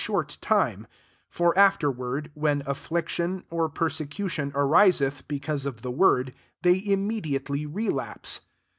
short time : for afterwarti, when affliction, or persecution ariseth because of the woftd, they immediately relapse.